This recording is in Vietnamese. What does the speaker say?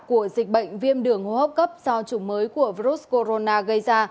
của dịch bệnh viêm đường hô hấp cấp do chủng mới của virus corona gây ra